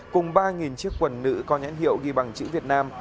cùng ba chiếc quần nữ có nhãn hiệu ghi bằng chữ việt nam